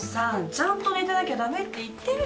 ちゃんと寝てなきゃダメって言ってるでしょう。